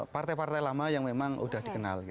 partai partai lama yang memang sudah dikenal